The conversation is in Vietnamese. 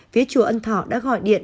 phía chùa ân thọ đã gọi điện